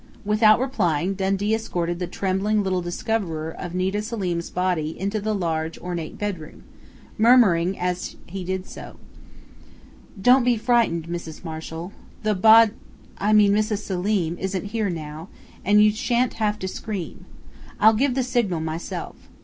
Without replying, Dundee escorted the trembling little discoverer of Nita Selim's body into the large ornate bedroom, murmuring as he did so: "Don't be frightened, Mrs. Marshall. The bod I mean Mrs. Selim isn't here now.... And you shan't have to scream. I'll give the signal myself.